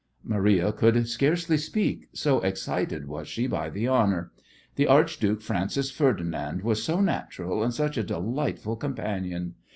Maria could scarcely speak, so excited was she by the honour. The Archduke Francis Ferdinand was so natural and such a delightful companion!